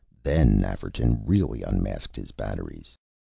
THEN Nafferton really unmasked his batteries!